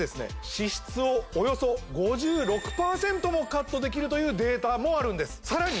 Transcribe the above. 脂質をおよそ５６％もカットできるというデータもあるんですさらに